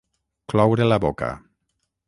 Cloure la boca.